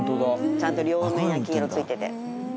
ちゃんと両面焼き色がついてて。